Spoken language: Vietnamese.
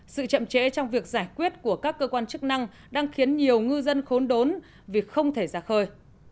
sự chậm chế trong việc giải quyết của các cơ quan chức năng đang khiến nhiều ngư dân khốn đốn vì không thể ra khơi